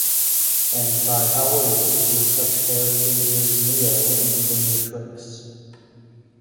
And by Hollywood through such characters as Neo in "The Matrix".